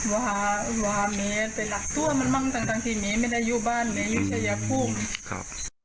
ไม่ได้อยู่บ้านยังไม่รู้ชอบจะคู่